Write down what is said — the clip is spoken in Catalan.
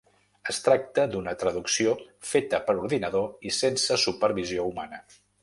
Es tracta d’una traducció feta per ordinador i sense supervisió humana.